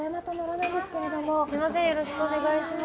よろしくお願いします